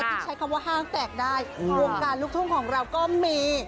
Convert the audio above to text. ที่ใช้คำว่าห้างแตกได้วงการลูกทุ่งของเราก็มี